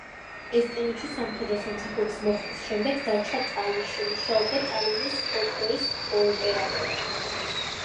ესტონეთში სამხედრო სამსახურის მოხდის შემდეგ დარჩა ტალინში, მუშაობდა ტალინის ფოლკლორის ოპერატორად.